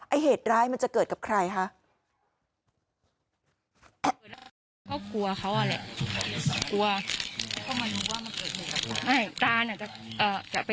เหตุร้ายมันจะเกิดกับใครคะ